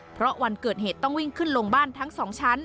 เพราะวันเกิดเหตุต้องวิ่งขึ้นลงบ้านทั้งสองชั้น